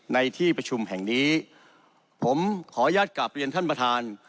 ในที่ประชุมแห่งนี้ผมขออนุญาตกลับเรียนท่านประธาน